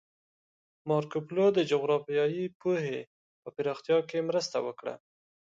مارکوپولو د جغرافیایي پوهې په پراختیا کې مرسته وکړه.